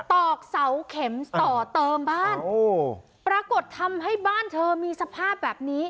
ตอกเสาเข็มต่อเติมบ้านโอ้ปรากฏทำให้บ้านเธอมีสภาพแบบนี้